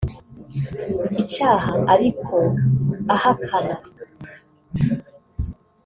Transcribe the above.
icaha ariko ahakana